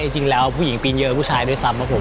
จริงแล้วผู้หญิงปีนเยอะผู้ชายด้วยซ้ำครับผม